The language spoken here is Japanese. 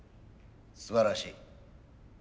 すばらしい。